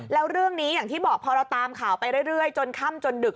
แล้วเรื่องนี้อย่างที่บอกพอเราตามข่าวไปเรื่อยจนค่ำจนดึก